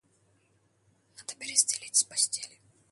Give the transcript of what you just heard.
Надо перестелить постели.